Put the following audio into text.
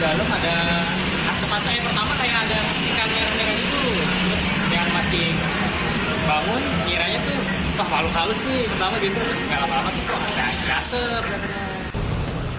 pertama dia terus kala kala mati tuh